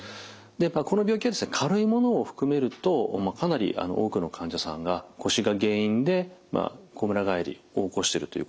この病気は軽いものを含めるとかなり多くの患者さんが腰が原因でこむら返りを起こしているということが考えられます。